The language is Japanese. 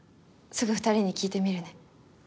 すぐ２人に聞いてみるね。